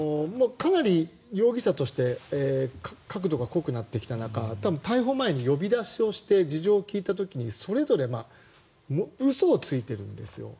かなり容疑者として確度が濃くなってきた中逮捕前に呼び出して事情を聴いた時にそれぞれ嘘をついてるんですよ。